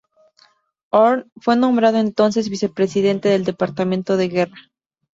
Horn fue nombrado entonces vicepresidente del departamento de guerra.